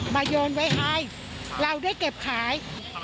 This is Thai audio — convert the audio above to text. มาโยนไว้ให้เราได้เก็บขาย